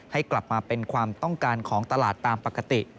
ให้กลับมาเป็นความต้องการของตลาดตามปกติ